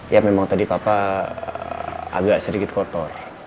ya memang tadi papa agak sedikit kotor